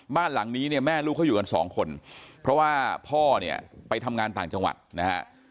บ้านหลังนี้เนี่ยแม่ลูกเขาอยู่กันสองคนเพราะว่าพ่อเนี่ยไปทำงานต่างจังหวัดนะฮะ